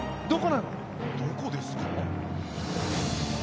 どこですか？